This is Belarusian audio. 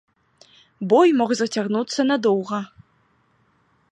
Бой мог зацягнуцца надоўга.